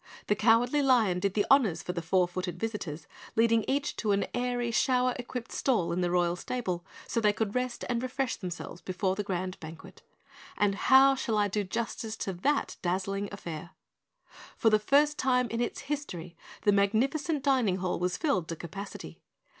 The Cowardly Lion did the honors for the Four Footed visitors, leading each to an airy shower equipped stall in the Royal Stable, so they could rest and refresh themselves before the Grand Banquet. And how shall I do justice to that dazzling affair? For the first time in its history the magnificent Dining Hall was filled to capacity.